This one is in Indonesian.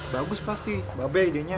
bagus pasti mbak be idenya